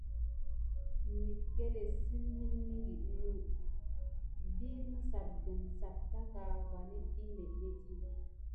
Məckéléte sim milmiŋɠuit mə vi məssapgəne sap taka vanéne ɗyi méɓɓétti.